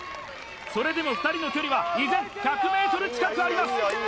それでも２人の距離は依然１００ｍ近くあります